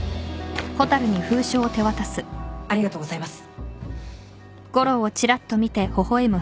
ありがとうございます。